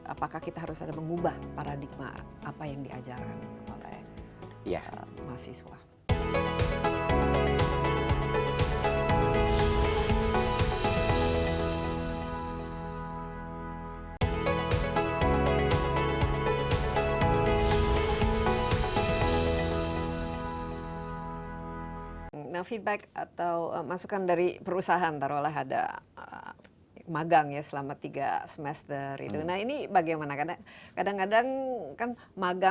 apakah kita harus mengubah paradigma apa yang diajaran oleh mahasiswa